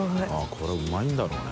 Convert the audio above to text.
これうまいんだろうね。